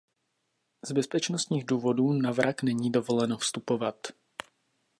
Z bezpečnostních důvodů na vrak není dovoleno vstupovat.